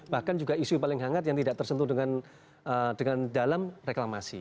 bahkan juga isu yang paling hangat yang tidak tersentuh dengan dalam reklamasi